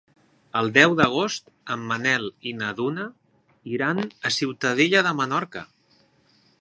El deu d'agost en Manel i na Duna iran a Ciutadella de Menorca.